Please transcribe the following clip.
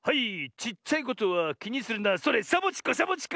「ちっちゃいことはきにするなそれサボチコサボチコ」